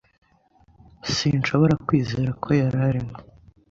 Sinshobora kwizera ko yari arimo.